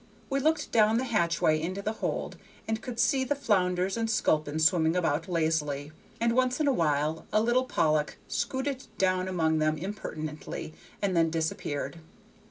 We looked down the hatchway into the hold, and could see the flounders and sculpin swimming about lazily, and once in a while a little pollock scooted down among them impertinently and then disappeared.